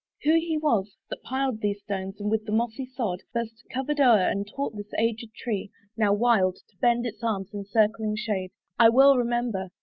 Who he was That piled these stones, and with the mossy sod First covered o'er, and taught this aged tree, Now wild, to bend its arms in circling shade, I well remember.